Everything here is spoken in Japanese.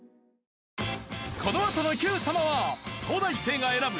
このあとの『Ｑ さま！！』は東大生が選ぶ！